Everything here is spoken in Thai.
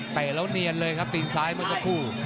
เตะแล้วเนียนเลยครับตีนซ้ายมันก็คู่